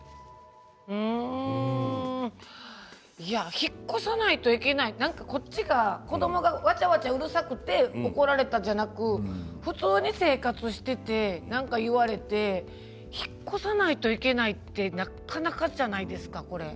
引っ越さないといけない何か、こっちが子どもがわちゃわちゃうるさくて怒られたんじゃなく普通に生活していてなんか言われて引っ越さないといけないってなかなかじゃないですか、これ。